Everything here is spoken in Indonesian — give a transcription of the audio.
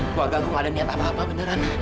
keluarga gue gak ada niat apa apa beneran